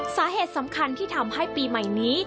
สาเหตุสำคัญที่ทำให้ปีใหม่นี้